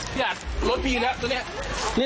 พี่อาจรถพีนะตอนนี้